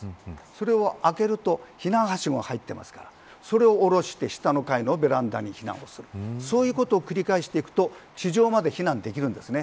それを開けると避難はしごが入っていますからそれを下ろして下の階のベランダに避難するそういうことを繰り返していくと地上まで避難できるんです。